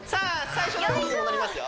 最初の動きに戻りますよ